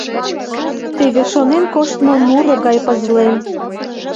Теве шонен коштмо муро гай пызлем!